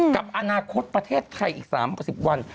กับอนาคตประเทศไทยอีก๓๐วัน